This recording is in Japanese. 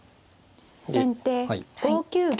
先手５九玉。